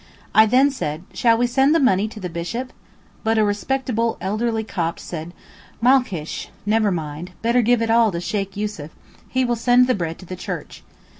I then said, 'Shall we send the money to the bishop?' but a respectable elderly Copt said, 'Malcysh! (never mind) better give it all to Sheykh Yussuf; he will send the bread to the church.